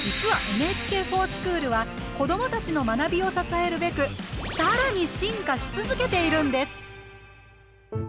実は「ＮＨＫｆｏｒＳｃｈｏｏｌ」は子どもたちの学びを支えるべくさらに進化し続けているんです！